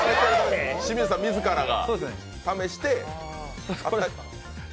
志水さん自らが試して？